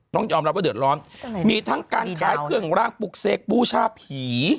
ต้องยอมรับว่าเดือดร้อนมีทั้งการขายเครื่องรางปลุกเสกบูชาผี